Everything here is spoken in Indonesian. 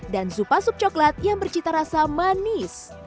dan supa soup coklat yang bercita rasa manis